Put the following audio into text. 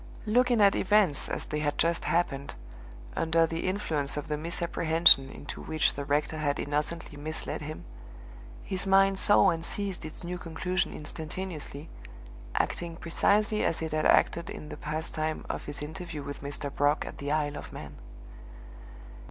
Looking at events as they had just happened, under the influence of the misapprehension into which the rector had innocently misled him, his mind saw and seized its new conclusion instantaneously, acting precisely as it had acted in the past time of his interview with Mr. Brock at the Isle of Man.